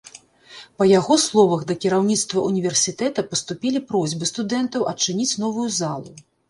Па яго словах, да кіраўніцтва ўніверсітэта паступілі просьбы студэнтаў адчыніць новую залу.